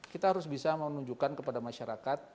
kita harus bisa menunjukkan kepada masyarakat